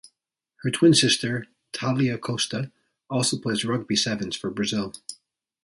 Her twin sister Thalia Costa also plays rugby sevens for Brazil.